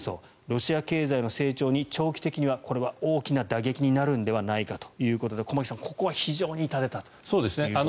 ロシア経済の成長に長期的には大きな打撃になるのではないかということで駒木さん、ここは非常に痛手だということですね。